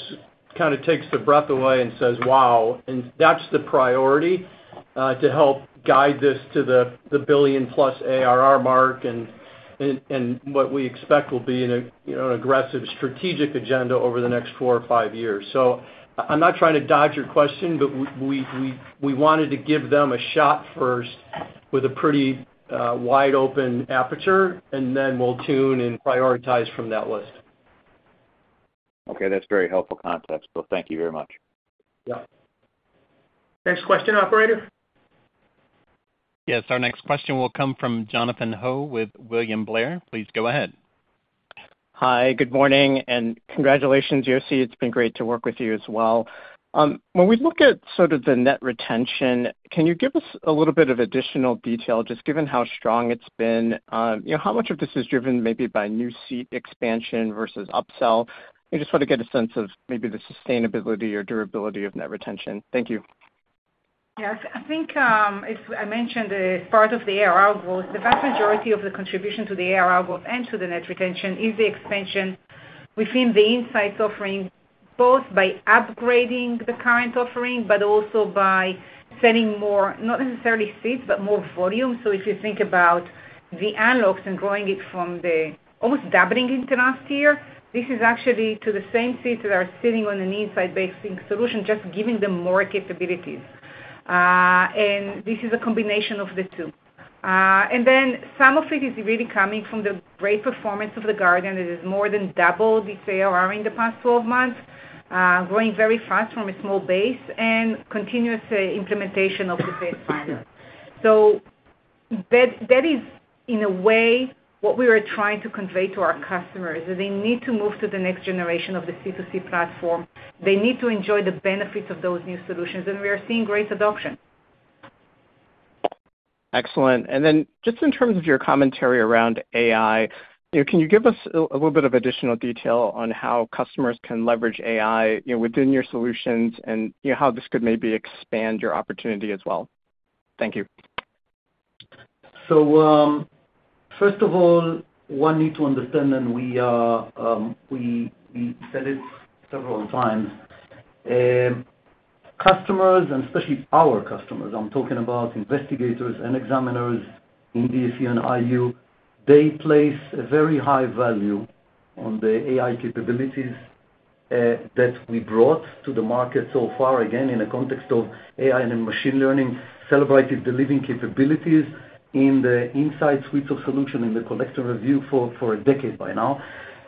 kind of takes the breath away and says, "Wow." And that's the priority to help guide this to the billion-plus ARR mark and what we expect will be an aggressive strategic agenda over the next four or five years. So I'm not trying to dodge your question, but we wanted to give them a shot first with a pretty wide-open aperture, and then we'll tune and prioritize from that list. Okay. That's very helpful context, well, thank you very much. Yep. Next question, operator? Yes. Our next question will come from Jonathan Ho with William Blair. Please go ahead. Hi. Good morning, and congratulations, Yossi. It's been great to work with you as well. When we look at sort of the net retention, can you give us a little bit of additional detail, just given how strong it's been? How much of this is driven maybe by new seat expansion versus upsell? I just want to get a sense of maybe the sustainability or durability of net retention. Thank you. Yes. I think I mentioned as part of the ARR growth, the vast majority of the contribution to the ARR growth and to the net retention is the expansion within the Insights offering, both by upgrading the current offering, but also by selling more, not necessarily seats, but more volume. So if you think about the add-ons and growing it from the almost doubling into last year, this is actually to the same seats that are sitting on an Insights-based solution, just giving them more capabilities, and this is a combination of the two. And then some of it is really coming from the great performance of the Guardian that has more than doubled its ARR in the past 12 months, growing very fast from a small base, and continuous implementation of the Pathfinder. So that is, in a way, what we were trying to convey to our customers, that they need to move to the next generation of the C2C platform. They need to enjoy the benefits of those new solutions. And we are seeing great adoption. Excellent. And then just in terms of your commentary around AI, can you give us a little bit of additional detail on how customers can leverage AI within your solutions and how this could maybe expand your opportunity as well? Thank you. So first of all, one need to understand, and we said it several times. Customers, and especially our customers, I'm talking about investigators and examiners in DSU and IU, they place a very high value on the AI capabilities that we brought to the market so far. Again, in the context of AI and machine learning, Cellebrite is delivering capabilities in the Insights suite of solutions in the collect and review for a decade by now.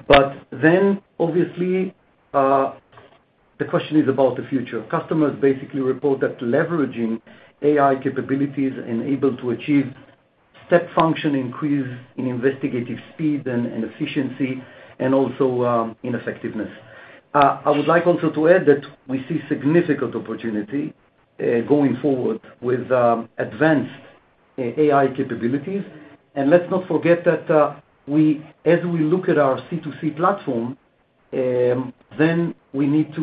But then, obviously, the question is about the future. Customers basically report that leveraging AI capabilities enables them to achieve step function increase in investigative speed and efficiency, and also in effectiveness. I would like also to add that we see significant opportunity going forward with advanced AI capabilities. Let's not forget that as we look at our C2C platform, then we need to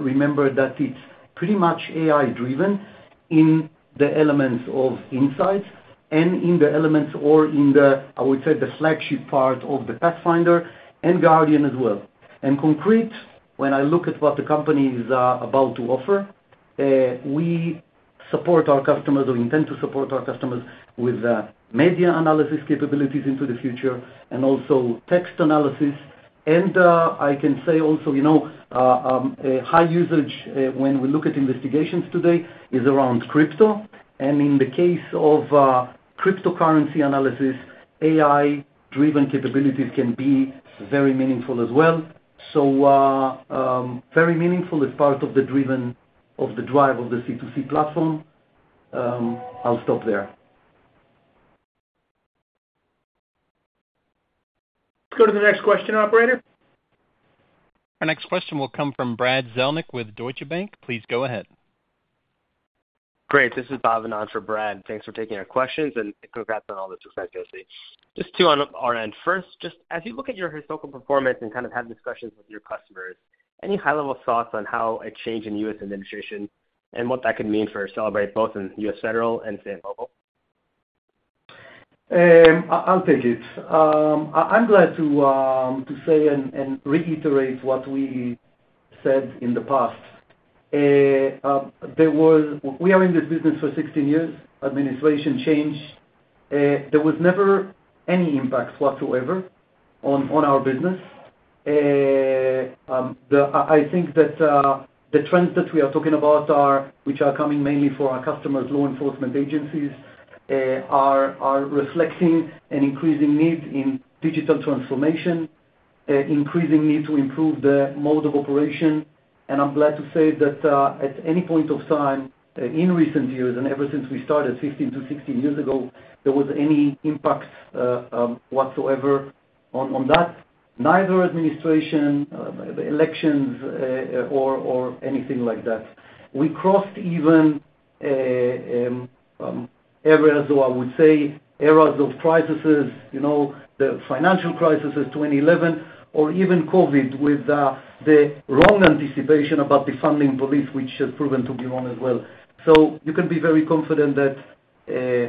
remember that it's pretty much AI-driven in the elements of insights and in the elements or in the, I would say, the flagship part of the Pathfinder and Guardian as well. Concretely, when I look at what the company is about to offer, we support our customers or intend to support our customers with media analysis capabilities into the future and also text analysis. I can say also high usage when we look at investigations today is around crypto. In the case of cryptocurrency analysis, AI-driven capabilities can be very meaningful as well. Very meaningful as part of the drive of the C2C platform. I'll stop there. Let's go to the next question, operator. Our next question will come from Brad Zelnick with Deutsche Bank. Please go ahead. Great. This is Bhavin on for Onshore. Brad, thanks for taking our questions, and congrats on all the success, Yossi. Just two on our end first. Just as you look at your historical performance and kind of have discussions with your customers, any high-level thoughts on how a change in U.S. administration and what that could mean for Cellebrite, both in U.S. federal and state and local? I'll take it. I'm glad to say and reiterate what we said in the past. We are in this business for 16 years. Administration change. There was never any impact whatsoever on our business. I think that the trends that we are talking about, which are coming mainly for our customers, law enforcement agencies, are reflecting an increasing need in digital transformation, increasing need to improve the mode of operation. And I'm glad to say that at any point of time in recent years, and ever since we started 15 to 16 years ago, there was any impact whatsoever on that, neither administration, elections, or anything like that. We crossed even areas, or I would say eras of crises, the financial crisis of 2011, or even COVID with the wrong anticipation about the funding police, which has proven to be wrong as well. So you can be very confident that,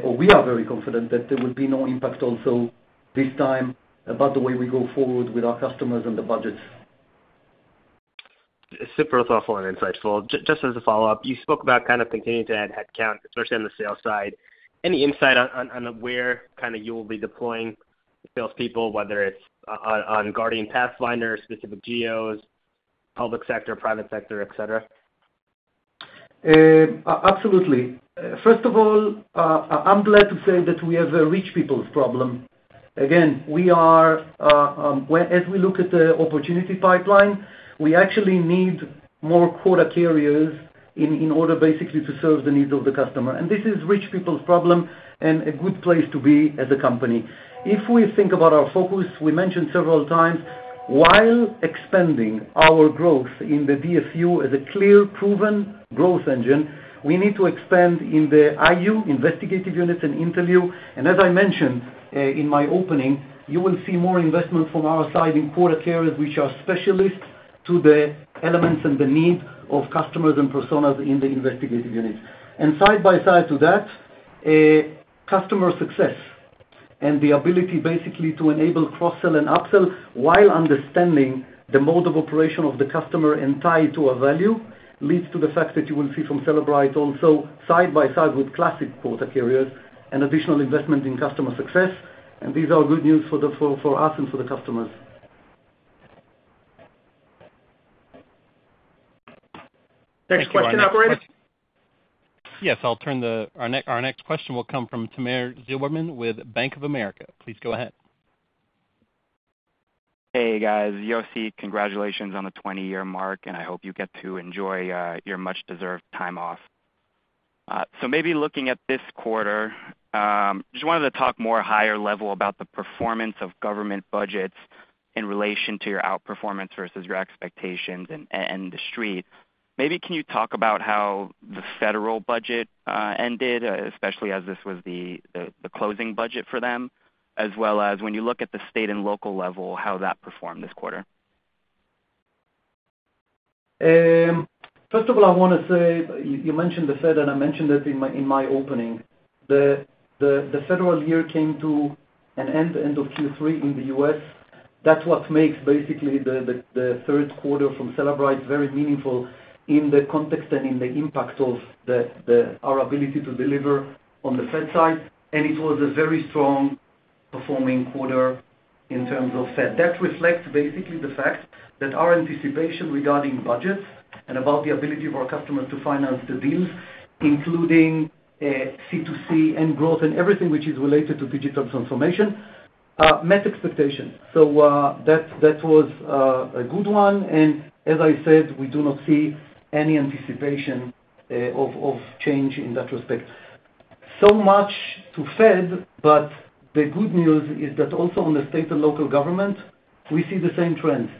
or we are very confident that there would be no impact also this time about the way we go forward with our customers and the budgets. Super thoughtful and insightful. Just as a follow-up, you spoke about kind of continuing to add headcount, especially on the sales side. Any insight on where kind of you will be deploying salespeople, whether it's on Guardian, Pathfinder, specific geos, public sector, private sector, etc.? Absolutely. First of all, I'm glad to say that we have a rich people's problem. Again, as we look at the opportunity pipeline, we actually need more quota carriers in order basically to serve the needs of the customer. And this is rich people's problem and a good place to be as a company. If we think about our focus, we mentioned several times, while expanding our growth in the DFU as a clearly proven growth engine, we need to expand in the INI investigative units and intel. And as I mentioned in my opening, you will see more investment from our side in quota carriers, which are specialists to the elements and the needs of customers and personas in the investigative units. And side by side to that, customer success and the ability basically to enable cross-sell and upsell while understanding the mode of operation of the customer and tie it to a value leads to the fact that you will see from Cellebrite also side by side with classic quota carriers and additional investment in customer success. And these are good news for us and for the customers. Next question, operator. Yes. Our next question will come from Tomer Zilberman with Bank of America. Please go ahead. Hey, guys. Yossi, congratulations on the 20-year mark, and I hope you get to enjoy your much-deserved time off. So maybe looking at this quarter, just wanted to talk more higher level about the performance of government budgets in relation to your outperformance versus your expectations and the street. Maybe can you talk about how the federal budget ended, especially as this was the closing budget for them, as well as when you look at the state and local level, how that performed this quarter? First of all, I want to say you mentioned the Fed, and I mentioned that in my opening. The federal year came to an end, end of Q3 in the U.S. That's what makes basically the Q3 from Cellebrite very meaningful in the context and in the impact of our ability to deliver on the Fed side. And it was a very strong performing quarter in terms of Fed. That reflects basically the fact that our anticipation regarding budgets and about the ability of our customers to finance the deals, including C2C and growth and everything which is related to digital transformation, met expectations. So that was a good one. And as I said, we do not see any anticipation of change in that respect. So much for the Fed, but the good news is that also on the state and local government, we see the same trends.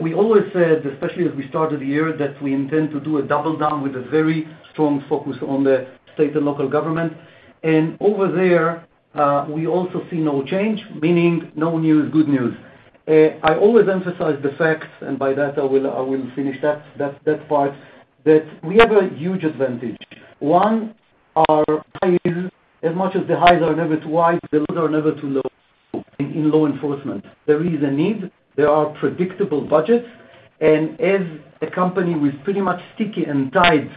We always said, especially as we started the year, that we intend to do a double down with a very strong focus on the state and local government. And over there, we also see no change, meaning no news, good news. I always emphasize the facts, and by that, I will finish that part, that we have a huge advantage. One, our highs, as much as the highs are never too high, the lows are never too low in law enforcement. There is a need. There are predictable budgets. And as a company who is pretty much sticky and tied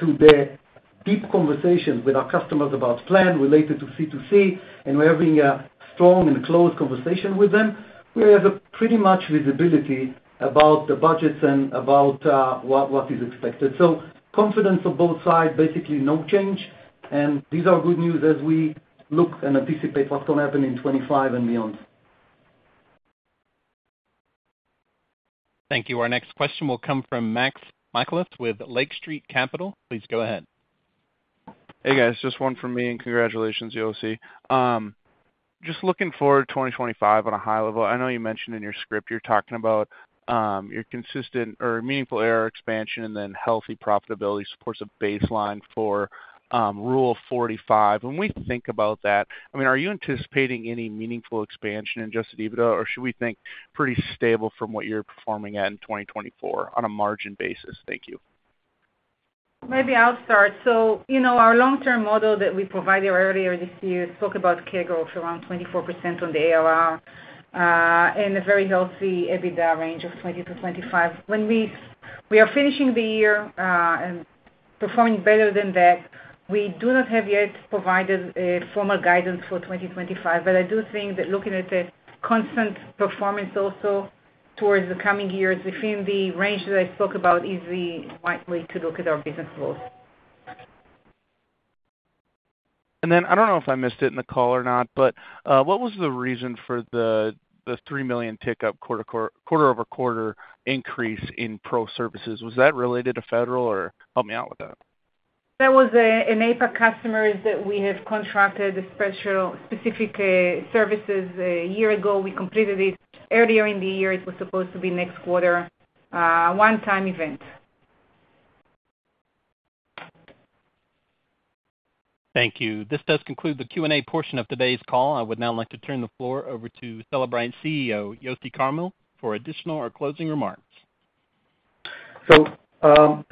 to the deep conversations with our customers about plan related to C2C, and we're having a strong and closed conversation with them, we have pretty much visibility about the budgets and about what is expected. So confidence on both sides, basically no change. And these are good news as we look and anticipate what's going to happen in 2025 and beyond. Thank you. Our next question will come from Max Michaelis with Lake Street Capital. Please go ahead. Hey, guys. Just one from me, and congratulations, Yossi. Just looking forward to 2025 on a high level, I know you mentioned in your script you're talking about your consistent or meaningful ARR expansion and then healthy profitability supports a baseline for Rule 45. When we think about that, I mean, are you anticipating any meaningful expansion in just a dividend, or should we think pretty stable from what you're performing at in 2024 on a margin basis? Thank you. Maybe I'll start. So our long-term model that we provided earlier this year spoke about CAGR around 24% on the ARR and a very healthy EBITDA range of 20%-25%. When we are finishing the year and performing better than that, we do not have yet provided formal guidance for 2025. But I do think that looking at the constant performance also towards the coming years, we've seen the range that I spoke about is the right way to look at our business growth. Then I don't know if I missed it in the call or not, but what was the reason for the $3 million tick-up quarter-over-quarter increase in pro services? Was that related to federal, or help me out with that? That was an APAC customer that we have contracted specific services a year ago. We completed it earlier in the year. It was supposed to be next quarter, a one-time event. Thank you. This does conclude the Q&A portion of today's call. I would now like to turn the floor over to Cellebrite CEO, Yossi Carmil, for additional or closing remarks. So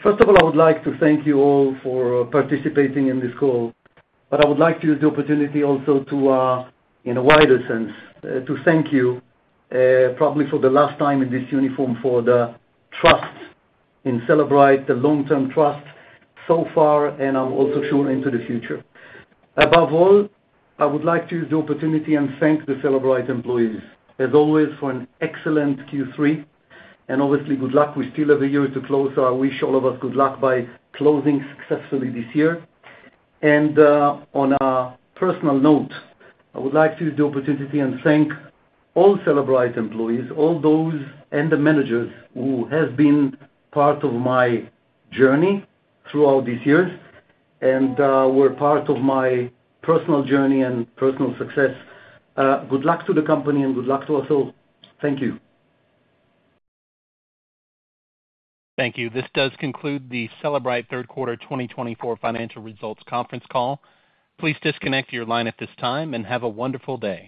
first of all, I would like to thank you all for participating in this call. But I would like to use the opportunity also to, in a wider sense, to thank you, probably for the last time in this uniform, for the trust in Cellebrite, the long-term trust so far, and I'm also sure into the future. Above all, I would like to use the opportunity and thank the Cellebrite employees, as always, for an excellent Q3. And obviously, good luck. We're still over a year to close, so I wish all of us good luck by closing successfully this year. And on a personal note, I would like to use the opportunity and thank all Cellebrite employees, all those and the managers who have been part of my journey throughout these years and were part of my personal journey and personal success. Good luck to the company and good luck to us all. Thank you. Thank you.his does conclude the Cellebrite Q3 2024 Financial Results Conference Call. Please disconnect your line at this time and have a wonderful day.